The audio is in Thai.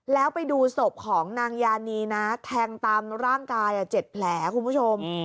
แล้วไปดูศพของนางยานีนะแทงตามร่างกาย๗แผลคุณผู้ชม